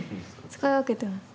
使い分けてます。